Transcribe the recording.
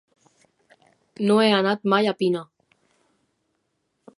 No he anat mai a Pina.